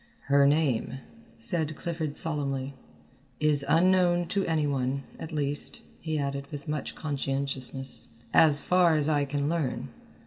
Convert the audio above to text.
"Her name," said Clifford solemnly, "is unknown to any one, at least," he added with much conscientiousness, "as far as I can learn.